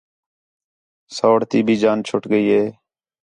سوڑ تی بھی جان چُھٹ ڳئی ہِے